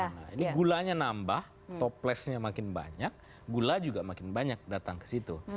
nah ini gulanya nambah toplesnya makin banyak gula juga makin banyak datang ke situ